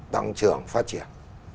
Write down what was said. tăng trưởng phát triển